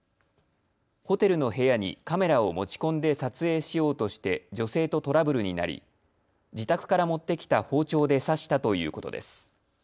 ホテルの部屋にカメラを持ち込んで撮影しようとして女性とトラブルになり、自宅から持ってきた包丁で刺したということです。